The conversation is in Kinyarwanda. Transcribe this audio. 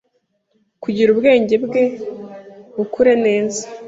kugira ubwenge bwe bukure neza